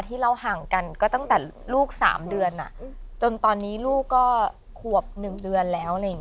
ที่เราห่างกันก็ตั้งแต่ลูก๓เดือนจนตอนนี้ลูกก็ควบ๑เดือนแล้ว